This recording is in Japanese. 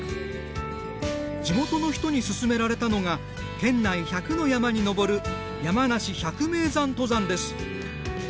地元の人に勧められたのが県内１００の山に登る山梨百名山登山です。